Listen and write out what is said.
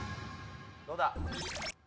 どうだ？